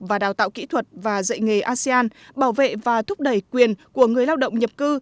và đào tạo kỹ thuật và dạy nghề asean bảo vệ và thúc đẩy quyền của người lao động nhập cư